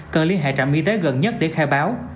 cần liên hệ trạm y tế gần nhất để khai báo